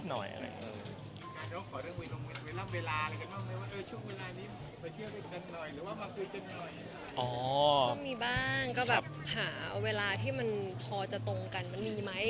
นี่บ้างก็หาเวลาที่มันพอจะตรงกันมีไหม